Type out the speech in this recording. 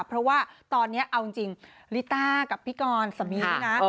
เพราะว่าตอนนี้เอาจริงลิต้ากับพี่กรสามีนี่นะ